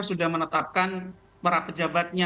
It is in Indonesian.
sudah menetapkan para pejabatnya